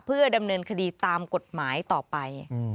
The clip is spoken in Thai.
เพื่อดำเนินคดีตามกฎหมายต่อไป